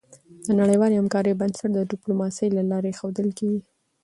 د نړیوالې همکارۍ بنسټ د ډيپلوماسی له لارې ایښودل کېږي.